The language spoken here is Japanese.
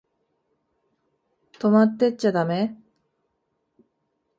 泊まってっちゃだめ？